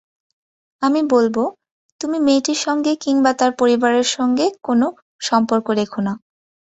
আমি বলব, তুমি মেয়েটির সঙ্গে কিংবা তার পরিবারের সঙ্গে কোনো সম্পর্ক রেখো না।